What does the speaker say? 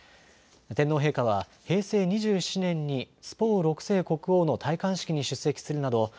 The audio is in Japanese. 天皇陛下は平成２７年にツポウ６世国王の戴冠式に出席するなど